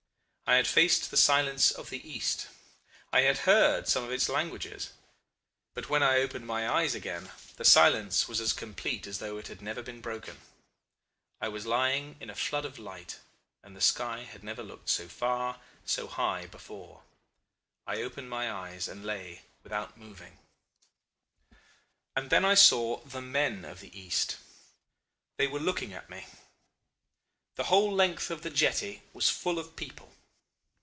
I had faced the silence of the East. I had heard some of its languages. But when I opened my eyes again the silence was as complete as though it had never been broken. I was lying in a flood of light, and the sky had never looked so far, so high, before. I opened my eyes and lay without moving. "And then I saw the men of the East they were looking at me. The whole length of the jetty was full of people.